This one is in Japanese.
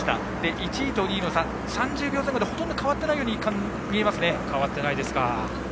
１位と２位の差は３０秒前後でほとんど変わっていないように見えますね。